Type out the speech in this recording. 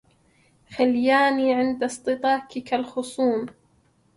خلياني عند اصطكاك الخصومِ